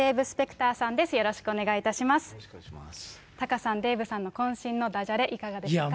タカさん、デーブさんのこん身のだじゃれ、いかがですか？